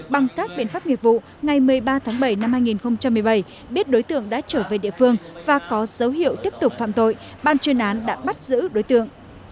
bằng các biện pháp nghiệp vụ ngày một mươi ba tháng bảy năm hai nghìn một mươi bảy biết đối tượng đã trở về địa phương và có dấu hiệu tiếp tục phạm tội ban chuyên án đã bắt giữ đối tượng